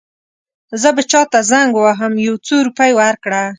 زه به چاته زنګ ووهم یو څو روپۍ ورکړه.